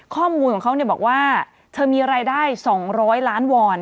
ข้อมูลของเขาบอกว่าเธอมีรายได้๒๐๐ล้านวอน